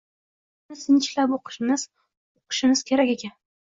ularni sinchiklab o‘qishimiz, uqishimiz kerak ekan.